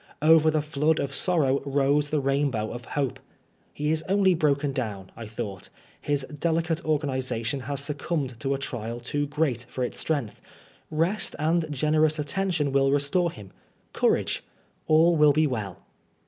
Over the flood of sorrow rose the rain bow of hope. He is only broken down, I thought ; his delicate organisation has succumbed to a trial too great for its strength ; rest and generous attention will restore him. Courage ! All will be well.